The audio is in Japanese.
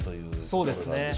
そうですね。